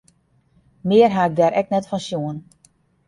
Mear ha ik dêr ek net fan sjoen.